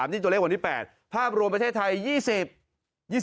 นี่ตัวเลขวันที่๘ภาพรวมประเทศไทย